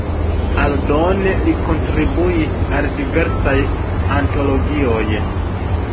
Aldone li kontribuis al diversaj antologioj.